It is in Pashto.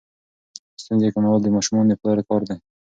ستونزې کمول د ماشومانو د پلار کار دی.